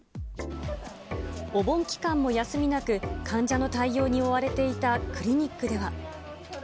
お盆期間も休みなく、患者の対応に追われていたクリニックでは。